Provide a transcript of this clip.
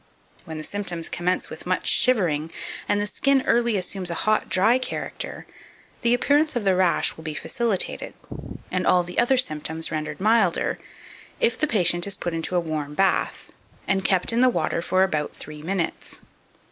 When the symptoms commence with much shivering, and the skin early assumes a hot, dry character, the appearance of the rash will be facilitated, and all the other symptoms rendered milder, if the patient is put into a warm bath, and kept in the water for about three minutes.